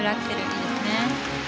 いいですね。